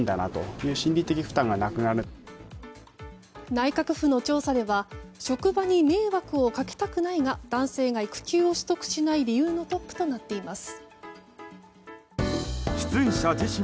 内閣府の調査では職場に迷惑をかけたくないが男性が育休を取得しない理由のトップとなっています。